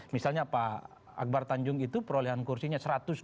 misalnya pak akbar tanjung itu perolehan kursinya satu ratus dua puluh